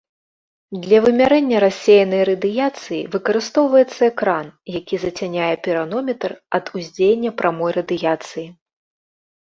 Для вымярэння рассеянай радыяцыі выкарыстоўваецца экран, які зацяняе піранометр ад уздзеяння прамой радыяцыі.